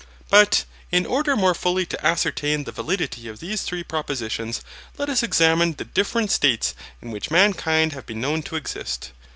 But, in order more fully to ascertain the validity of these three propositions, let us examine the different states in which mankind have been known to exist.